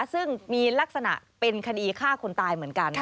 ซึ่งมีลักษณะเป็นคดีฆ่าคนตายเหมือนกัน